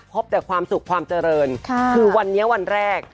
พบแต่ความสุขความเจริญคือวันนี้วันแรก